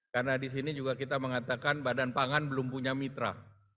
karena di sini juga kita mengatakan badan pangan belum punya mitra